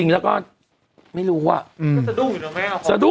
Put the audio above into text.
แล้วก็ไม่รู้ว่า